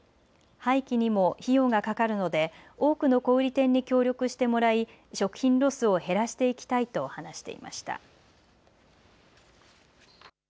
廃棄にも費用がかかるので多くの小売店に協力してもらい食品ロスを減らしていきたいと話していました。